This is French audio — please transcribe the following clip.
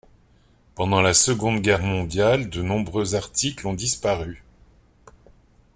Pendant la seconde guerre mondiale, de nombreux articles ont disparu.